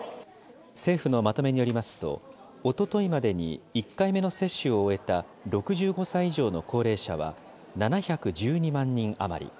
政府のまとめによりますと、おとといまでに１回目の接種を終えた６５歳以上の高齢者は、７１２万人余り。